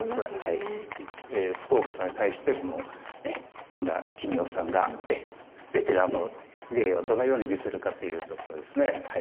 福岡さんに対して山田規三生さんがベテランの芸をどのように見せるかというところですね。